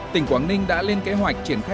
tỉnh quảng ninh đã lên kế hoạch